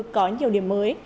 có nhiều điểm mới